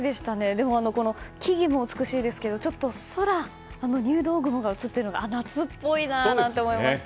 でも、木々も美しいですがちょっと空、入道雲が映っていたのが夏っぽいなんて思いました。